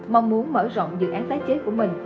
mong muốn mở rộng dự án tái chế của mình